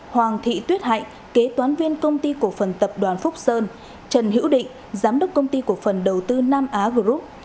hoàng thị tuyết hạnh kế toán viên công ty cổ phần tập đoàn phúc sơn trần hữu định giám đốc công ty cổ phần đầu tư nam á group